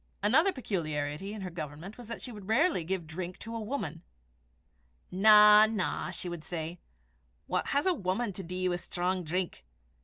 Another peculiarity in her government was that she would rarely give drink to a woman. "Na, na," she would say, "what has a wuman to dee wi' strong drink!